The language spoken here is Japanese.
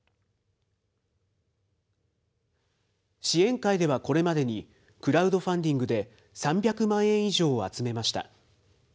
支援会ではこれまでに、クラウドファンディングで３００万円以上を集めました。